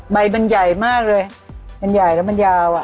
ใบมันใหญ่มากเลยมันใหญ่แล้วมันยาวอ่ะ